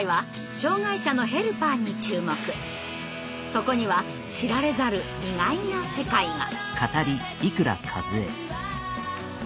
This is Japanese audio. そこには知られざる意外な世界が。